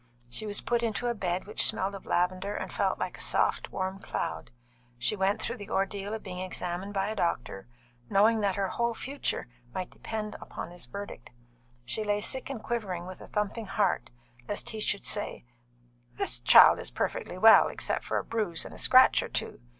She was put into a bed which smelled of lavender and felt like a soft, warm cloud; she went through the ordeal of being examined by a doctor, knowing that her whole future might depend upon his verdict. She lay sick and quivering with a thumping heart, lest he should say: "This child is perfectly well, except for a bruise and a scratch or two.